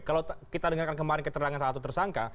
kalau kita dengarkan kemarin keterangan